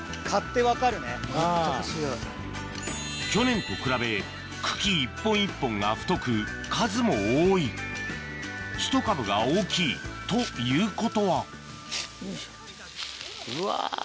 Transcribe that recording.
去年と比べ茎一本一本が太く数も多いひと株が大きいということはうわ